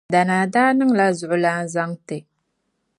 Danaa daa niŋ la zuɣulana zaŋ ti.